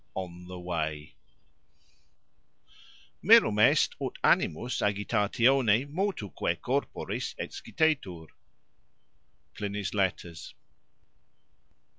ON THE WAY Mirum est ut animus agitatione motuque corporis excitetur. Pliny's Letters.